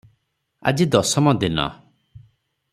ଆଜି ଦଶମ ଦିନ ।